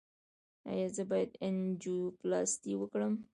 ایا زه باید انجیوپلاسټي وکړم؟